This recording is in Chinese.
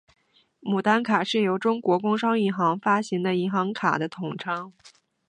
牡丹卡是由中国工商银行发行的银行卡的统称。